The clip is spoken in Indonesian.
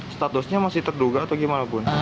statusnya masih terduga atau gimana bu